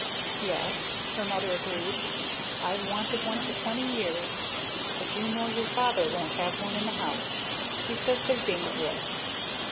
"Yes," her mother agreed. "I've wanted one for twenty years; but you know your Father won't have one in the house. He says they're dangerous.